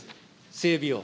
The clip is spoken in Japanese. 整備を。